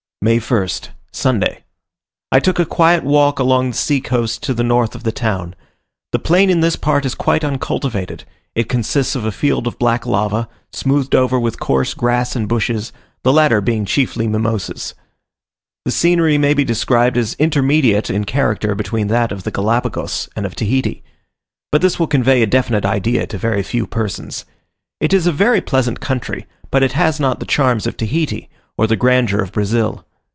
May 1st. Sunday. I took a quiet walk along the sea coast to the north of the town. The plain in this part is quite uncultivated; it consists of a field of black lava, smoothed over with coarse grass and bushes, the latter being chiefly Mimosas. The scenery may be described as intermediate in character between that of the Galapagos and of Tahiti; but this will convey a definite idea to very few persons. It is a very pleasant country, but it has not the charms of Tahiti, or the grandeur of Brazil.